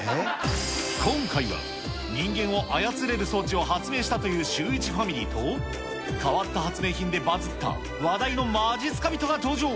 今回は、人間を操れる装置を発明したというシューイチファミリーと、変わった発明品でバズった話題のまじっすか人が登場。